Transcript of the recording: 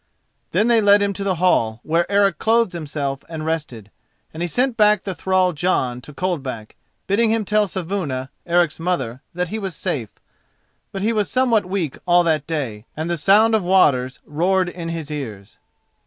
Then they led him to the hall, where Eric clothed himself and rested, and he sent back the thrall Jon to Coldback, bidding him tell Saevuna, Eric's mother, that he was safe. But he was somewhat weak all that day, and the sound of waters roared in his ears.